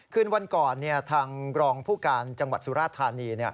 คืนวันก่อนทางรองผู้การจังหวัดสุราธานี